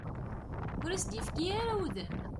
Ur as-d-yefki ara udem.